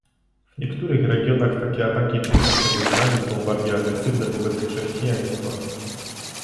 W niektórych regionach takie ataki przeciwko wyznaniu są bardziej agresywne wobec chrześcijaństwa